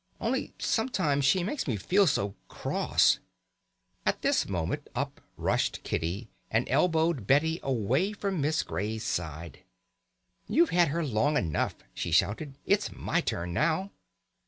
Only sometimes she makes me feel so cross." At this moment up rushed Kitty, and elbowed Betty away from Miss Grey's side. "You've had her long enough!" she shouted. "It's my turn now!"